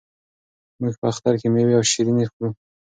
موږ په اختر کې مېوې او شیریني خورو.